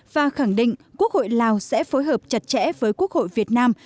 và khẳng định quốc hội lào sẽ phối hợp chặt chẽ với quốc hội việt nam